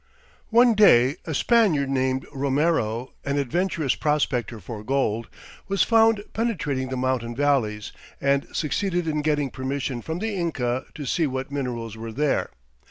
One day a Spaniard named Romero, an adventurous prospector for gold, was found penetrating the mountain valleys, and succeeded in getting permission from the Inca to see what minerals were there.